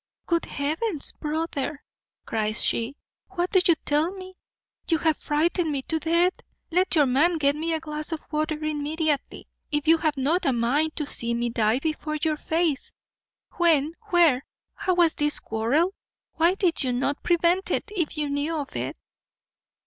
"Good Heavens! brother," cries she; "what do you tell me? you have frightened me to death. Let your man get me a glass of water immediately, if you have not a mind to see me die before your face. When, where, how was this quarrel? why did you not prevent it if you knew of it?